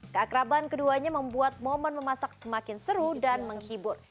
keakraban keduanya membuat momen memasak semakin seru dan menghibur